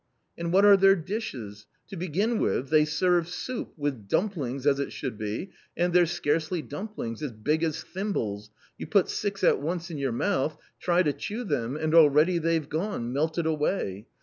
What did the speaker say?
And what are their dishes ? To begin with, they serve soup, with dumplings as it should be and they're scarcely dumplings — as big as thimbles, you put six at once in your mouth, try to chew them, — and already they've gone, melted away.